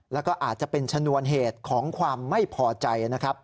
แล้วก็อาจจะเป็นชนวนเหตุของความไม่พอใจนะครับ